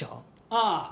ああ。